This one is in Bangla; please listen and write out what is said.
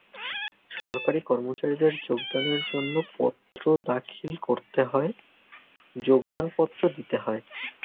সরকারি কর্মচারীদের যোগদানের জন্য পত্র দাখিল করতে হয়, যোগদানপত্র দিতে হয়।